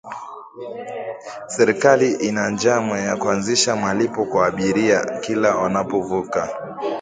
serikali ina njama ya kuanzisha malipo kwa abiria kila wanapovuka